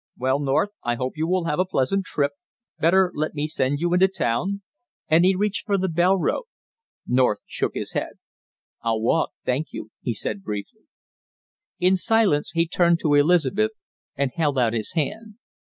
Well, North, I hope you will have a pleasant trip, better let me send you into town?" And he reached for the bell rope. North shook his head. "I'll walk, thank you," he said briefly. In silence he turned to Elizabeth and held out his hand.